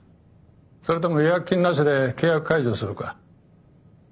それとも違約金なしで契約解除するか。